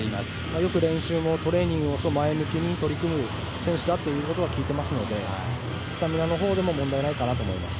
よく練習もトレーニングも前向きに取り組む選手だということは聞いていますのでスタミナのほうも問題ないかなと思います。